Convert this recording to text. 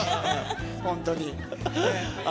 本当に。